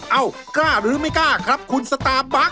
เอ้ากล้าหรือไม่กล้าครับคุณสตาร์บั๊